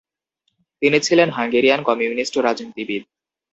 তিনি ছিলেন Hungarian communist রাজনীতিবিদ।